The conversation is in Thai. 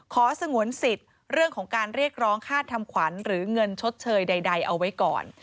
สงวนสิทธิ์เรื่องของการเรียกร้องค่าทำขวัญหรือเงินชดเชยใดเอาไว้ก่อน